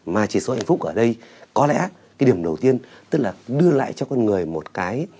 mà chỉ số hạnh phúc ở đây có lẽ cái điểm đầu tiên tức là đưa lại cho con người một cái